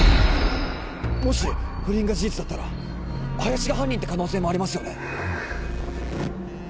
もし不倫が事実だったら林が犯人って可能性もありますよね？